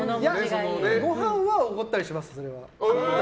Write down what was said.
ごはんはおごったりします。